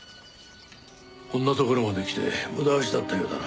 こんな所まで来て無駄足だったようだな。